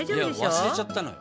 忘れちゃったのよ。